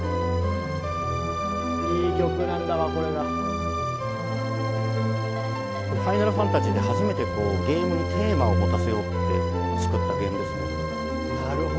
これ「ファイナルファンタジー」で初めてゲームにテーマを持たせようって作ったゲームですね。